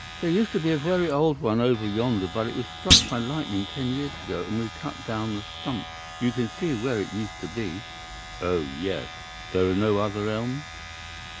"'There used to be a very old one over yonder but it was struck by lightning ten years ago, and we cut down the stump.' "'You can see where it used to be?' "'Oh, yes.' "'There are no other elms?